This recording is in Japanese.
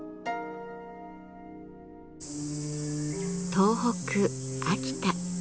東北・秋田。